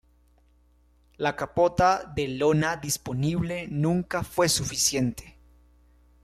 La capota de lona disponible nunca fue suficiente.